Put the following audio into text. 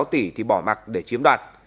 bốn sáu tỷ thì bỏ mặt để chiếm đoạt